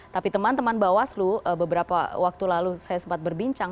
tapi teman teman bawaslu beberapa waktu lalu saya sempat berbincang